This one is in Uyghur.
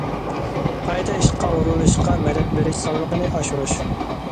قايتا ئىشقا ئورۇنلىشىشقا مەدەت بېرىش سالمىقىنى ئاشۇرۇش.